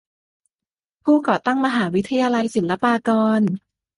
ผู้ก่อตั้งมหาวิทยาลัยศิลปากร